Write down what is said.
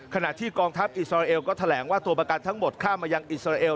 ขณะที่กองทัพอิสราเอลก็แถลงว่าตัวประกันทั้งหมดข้ามมายังอิสราเอล